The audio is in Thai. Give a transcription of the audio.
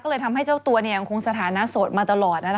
ก็เลยทำเจ้าตัวเนี่ยไม่คงสถานะโสดมาตลอด